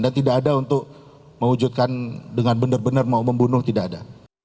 dan tidak ada untuk mewujudkan dengan benar benar mau membunuh tidak ada